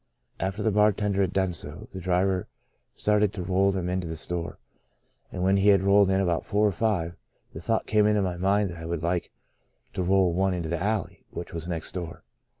After the bar tender had done so, the driver started to roll them into the store, and when he had rolled in about four or five, the thought came into my mind that I would like to roll one into the alley, which was next door.